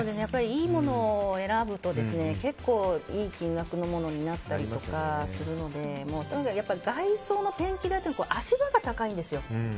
いいものを選ぶと結構いい金額のものになったりとかするのでとにかく外装のペンキ代も足場が高いんですよ。